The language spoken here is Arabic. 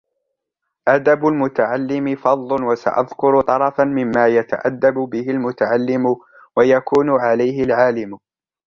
أَدَبُ الْمُتَعَلِّمِ فَصْلٌ وَسَأَذْكُرُ طَرَفًا مِمَّا يَتَأَدَّبُ بِهِ الْمُتَعَلِّمُ وَيَكُونُ عَلَيْهِ الْعَالِمُ